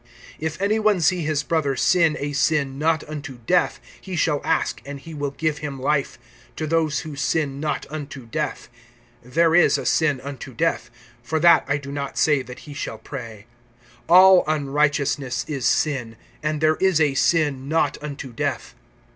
(16)If any one see his brother sin a sin not unto death, he shall ask, and he will give him life, to those who sin not unto death. There is a sin unto death; for that I do not say that he shall pray. (17)All unrighteousness is sin; and there is a sin not unto death.